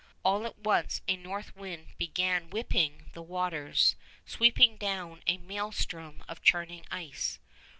All at once a north wind began whipping the waters, sweeping down a maelstrom of churning ice.